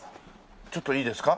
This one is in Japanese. ちょっといいですか？